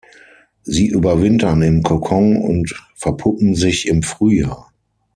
Sie überwintern im Kokon und verpuppen sich im Frühjahr.